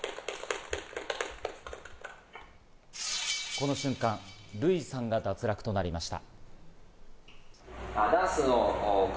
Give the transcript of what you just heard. この瞬間、ルイさんが脱落となりました。